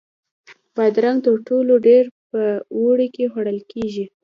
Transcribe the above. بادرنګ تر ټولو ډېر په اوړي کې خوړل کېږي.